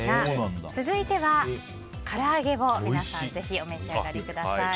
続いては、唐揚げを皆さんぜひお召し上がりください。